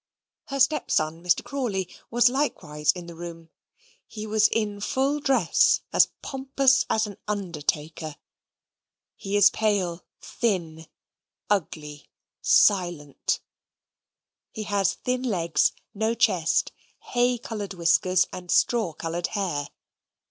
Her stepson Mr. Crawley, was likewise in the room. He was in full dress, as pompous as an undertaker. He is pale, thin, ugly, silent; he has thin legs, no chest, hay coloured whiskers, and straw coloured hair.